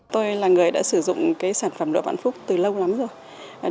tôi là người đã sử dụng cái sản phẩm lụa vạn phúc từ lâu lắm rồi